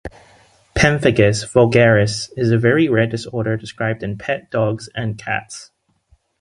Pemphigus vulgaris is a very rare disorder described in pet dogs and cats.